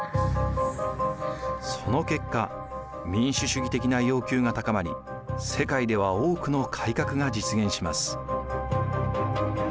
その結果民主主義的な要求が高まり世界では多くの改革が実現します。